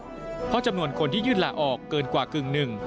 เพราะจำนวนคนที่ยื่นลาออกเกินกว่ากึ่งหนึ่ง